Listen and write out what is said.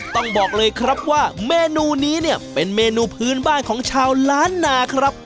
ต้องบอกเลยครับว่าเมนูนี้เนี่ยเป็นเมนูพื้นบ้านของชาวล้านนาครับ